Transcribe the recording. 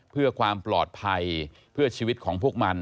เพื่อความปลอดภัยเพื่อชีวิตของพวกมัน